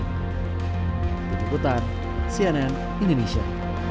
itu jeputan cnn indonesia